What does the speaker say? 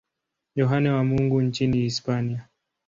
Yohane wa Mungu nchini Hispania.